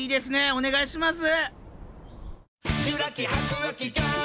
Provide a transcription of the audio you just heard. お願いします。